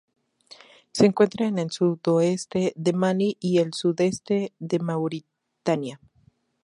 Se encuentra en el sudoeste de Malí y el sudeste de Mauritania.